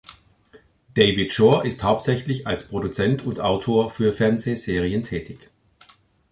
David Shore ist hauptsächlich als Produzent und Autor für Fernsehserien tätig.